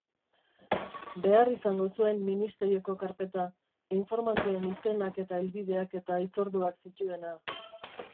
Behar izango zuen Ministerioko karpeta, informanteen izenak eta helbideak eta hitzorduak zituena.